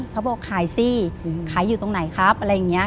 เขาบอกขายสิขายอยู่ตรงไหนครับอะไรอย่างนี้